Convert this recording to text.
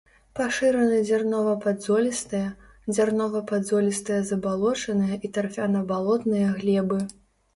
Пашыраны дзярнова-падзолістыя, дзярнова-падзолістыя забалочаныя і тарфяна-балотныя глебы.